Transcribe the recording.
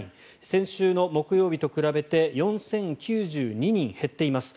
先週の木曜日と比べて４０９２人減っています。